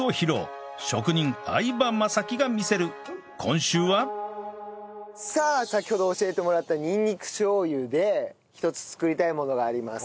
今週はさあ先ほど教えてもらったにんにくしょう油で１つ作りたいものがあります。